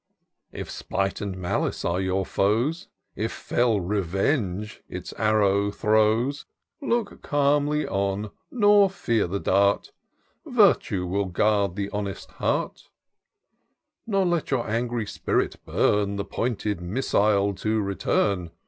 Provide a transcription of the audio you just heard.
" If Spite and Malice are your foes. If feU Revenge its arrow throws, Look calmly on, nor fear the dart; Virtue will guard the honest heart ; Nor let your angry spirit burn The pointed missile to return.